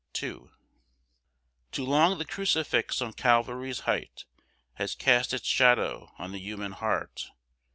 II Too long the crucifix on Calvary's height Has cast its shadow on the human heart.